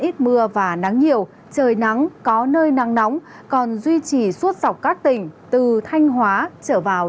ít mưa và nắng nhiều trời nắng có nơi nắng nóng còn duy trì suốt dọc các tỉnh từ thanh hóa trở vào